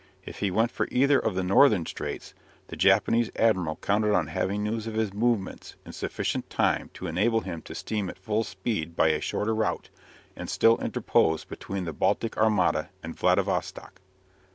If he went for either of the more northern straits, the Japanese admiral counted on having news of his movements in sufficient time to enable him to steam at full speed by a shorter route, and still interpose between the Baltic armada and Vladivostock.